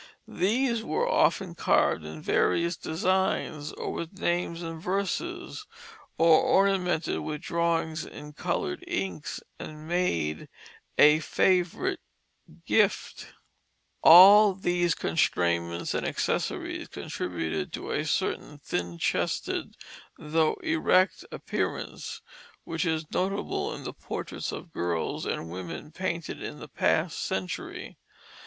These were often carved in various designs or with names and verses, or ornamented with drawings in colored inks, and made a favorite gift. [Illustration: Carved Busks] All these constrainments and accessories contributed to a certain thin chested though erect appearance, which is notable in the portraits of girls and women painted in the past century.